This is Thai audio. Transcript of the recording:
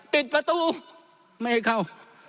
ปิดประตูไม่ให้เข้า